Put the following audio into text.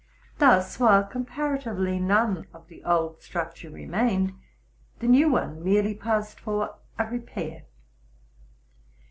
Thus, while comparatively none of the old structure remained, the new one merely passed for arepair.